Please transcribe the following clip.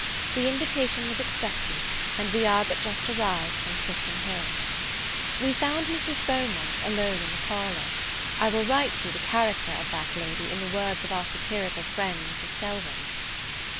The invitation was accepted, and we are but just arrived from Clifton Hill. We found Mrs. Beaumont alone in the parlour. I will write you the character of that lady, in the words of our satirical friend Mrs. Selwyn.